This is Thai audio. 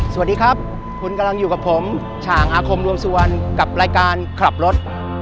สวัสดีครับคุณกำลังอยู่กับผมฉ่างอาคมรวมสุวรรณกับรายการขับรถ